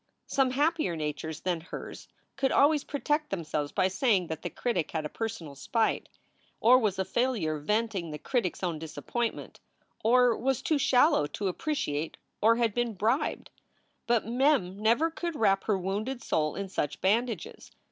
Some happier natures than hers could always protect themselves by saying that the critic had a personal spite, or was a failure venting the critic s own disappointment, or was too shallow to appreciate, or had been bribed. But Mem never could wrap her wounded soul in such bandages.